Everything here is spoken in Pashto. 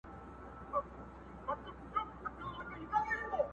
د قدرت گيند چي به خوشي پر ميدان سو٫